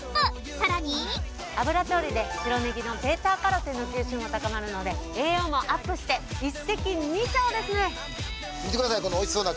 更に油調理で白ネギのβカロテンの吸収も高まるので栄養もアップして一石二鳥ですね。